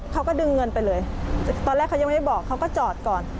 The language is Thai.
เขาก็ดึงเงินไปเลยตอนแรกเขายังไม่ได้บอกเขาก็จอดก่อน